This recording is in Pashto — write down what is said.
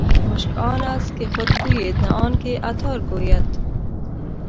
مشک آن است که خود بوید نه آن که عطار ګوید.